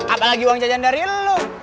apalagi uang jajan dari lu